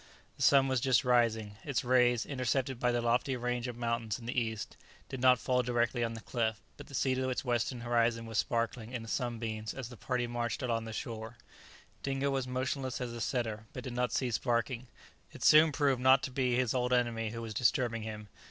The sun was just rising. Its rays, intercepted by the lofty range of mountains in the east, did not fall directly on the cliff; but the sea to its western horizon was sparkling in the sunbeams as the party marched along the shore. Dingo was motionless as a setter, but did not cease barking. It soon proved not to be his old enemy who was disturbing him.